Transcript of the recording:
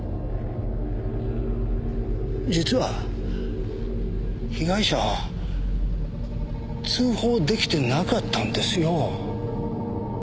実は被害者は通報できてなかったんですよ。